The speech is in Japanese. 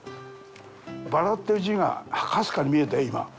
「バラ」っていう字がかすかに見えたよ、今。